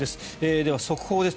では速報です。